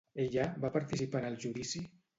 Ella va participar en el judici?